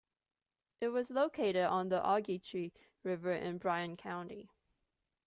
It was located on the Ogeechee River in Bryan County.